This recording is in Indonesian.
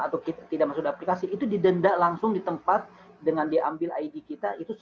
atau kita tidak masuk aplikasi itu didenda langsung di tempat dengan diambil id kita itu